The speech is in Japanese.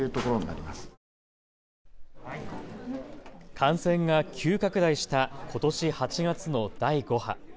感染が急拡大した、ことし８月の第５波。